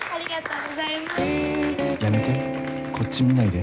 やめてこっち見ないで